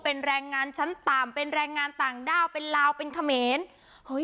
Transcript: เป็นแรงงานชั้นต่ำเป็นแรงงานต่างด้าวเป็นลาวเป็นเขมรเฮ้ย